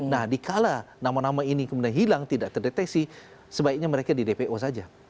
nah dikala nama nama ini kemudian hilang tidak terdeteksi sebaiknya mereka di dpo saja